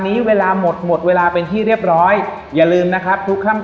นี้เวลาหมดหมดเวลาเป็นที่เรียบร้อยอย่าลืมนะครับทุกค่ำ